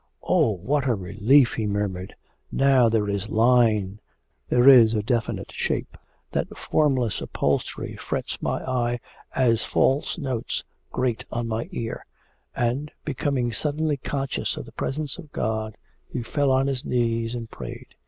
'Oh, what a relief!' he murmured. 'Now there is line, there is definite shape. That formless upholstery frets my eye as false notes grate on my ear;' and, becoming suddenly conscious of the presence of God, he fell on his knees and prayed.